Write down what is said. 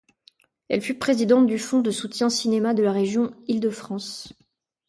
Elle fut présidente du fond de soutien Cinéma de la Région Île de France.